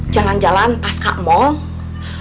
jalan jalan pas kak mall